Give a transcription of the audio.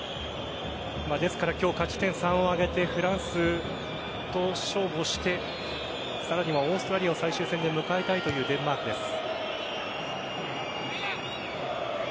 ですから今日勝ち点３を挙げてフランスと勝負をしてさらにはオーストラリアを最終戦で迎えたいというデンマークです。